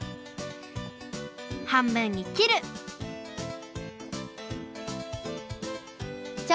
はんぶんにきるちょ